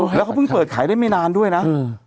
แล้วเขาเพิ่งเปิดขายได้ไม่นานด้วยนะ